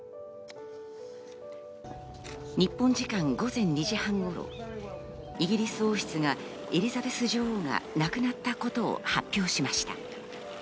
日本時間午前２時半頃、イギリス王室がエリザベス女王が亡くなったことを発表しました。